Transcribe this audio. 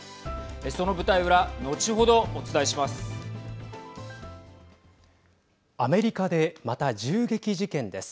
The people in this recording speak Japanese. その舞台裏後ほどお伝えします。